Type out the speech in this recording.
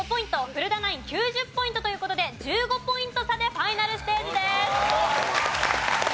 古田ナイン９０ポイントという事で１５ポイント差でファイナルステージです。